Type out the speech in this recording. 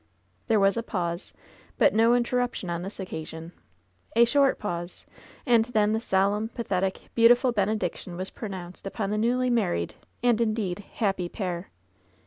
There was a pause, but no interruption on this occa sion — a short pause, and then the solemn, pathetic, beau tiful benediction was pronounced upon the newly mar ried and indeed happy pair.